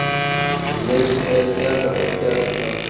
زه اسماعيل زيار د پکتيا څخه.